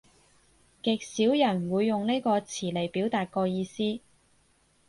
極少人會用呢個詞嚟表達個意思